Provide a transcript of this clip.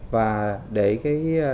và để cái